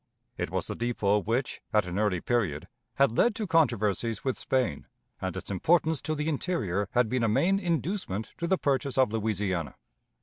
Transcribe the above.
It was the depot which, at an early period, had led to controversies with Spain, and its importance to the interior had been a main inducement to the purchase of Louisiana.